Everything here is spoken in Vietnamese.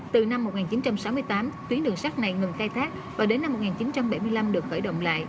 từ năm một nghìn chín trăm sáu mươi tám tuyến đường sắt này ngừng khai thác và đến năm một nghìn chín trăm bảy mươi năm được khởi động lại